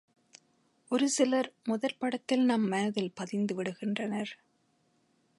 ஒரு சிலர் முதற்படத்தில் நம் மனத்தில் பதிந்துவிடுகின்றனர்.